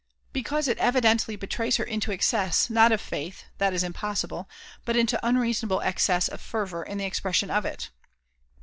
"" Because it evidently betrays her into excess, not of faith — ^that is impossible I — but into unreasonable excess of fervour in the expression of it."